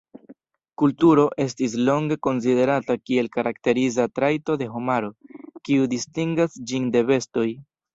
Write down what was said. Kulturo estis longe konsiderata kiel karakteriza trajto de homaro, kiu distingas ĝin de bestoj.